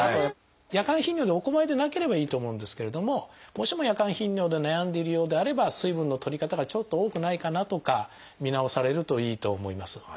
夜間頻尿でお困りでなければいいと思うんですけれどももしも夜間頻尿で悩んでいるようであれば水分のとり方がちょっと多くないかなとか見直されるといいと思います。